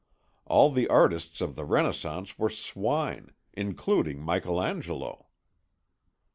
All the artists of the Renaissance were swine, including Michael Angelo."